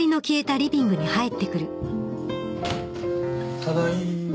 ただいま。